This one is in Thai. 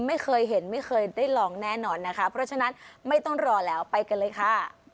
ไม่เคยเห็นไม่เคยได้ลองแน่นอนนะคะเพราะฉะนั้นไม่ต้องรอแล้วไปกันเลยค่ะ